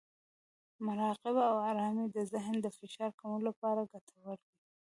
مراقبه او ارامۍ د ذهن د فشار کمولو لپاره ګټورې دي.